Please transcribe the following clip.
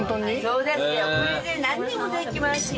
そうですよこれで何でもできますよ。